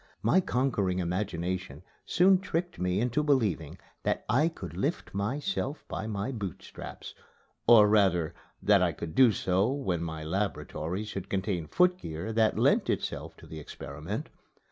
My conquering imagination soon tricked me into believing that I could lift myself by my boot straps or rather that I could do so when my laboratory should contain footgear that lent itself to the experiment.